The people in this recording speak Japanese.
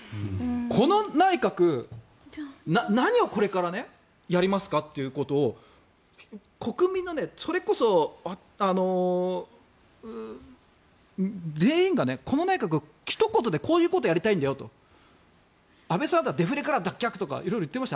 この内閣、何をこれからやりますかということを国民のそれこそ全員がこの内閣は、ひと言でこういうことをやりたいんだよと安倍さんだったらデフレからの脱却とか色々言っていました。